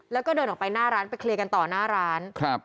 แล้วก็เดินออกไปหน้าร้านไปเคลียร์กันต่อหน้าร้านครับ